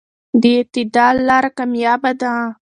د اعتدال لاره کاميابه ده.